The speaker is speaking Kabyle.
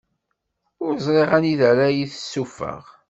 Ur ẓriɣ anida ara yi-tessuffeɣ.